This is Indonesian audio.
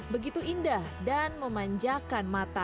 begitu indah dan memanjakan mata